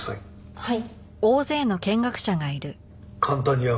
はい。